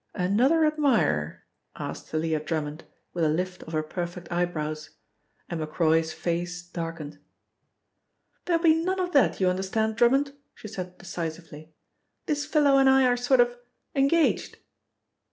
"Another admirer?" asked Thalia Drummond with a lift of her perfect eyebrows, and Macroy's face darkened. "There'll be none of that, you understand, Drummond," she said decisively. "This fellow and I are sort of engaged."